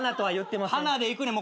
『花』でいくねん。